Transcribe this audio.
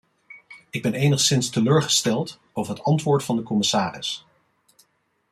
Ik ben enigszins teleurgesteld over het antwoord van de commissaris.